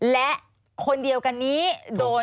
และคนเดียวกันนี้โดย